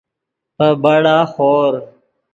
پے بڑا خور